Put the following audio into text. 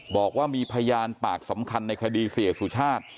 บอกว่ามีพยานปากสำคัญในคดีเสียสุชาติ